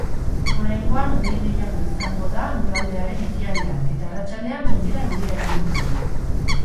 Oraingoan hodei gehiago izango da lurraldearen ekialdean eta arratsaldean gainera euria egingo du.